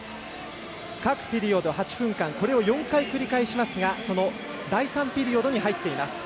各ピリオド８分間これを４回繰り返しますがその第３ピリオドに入っています。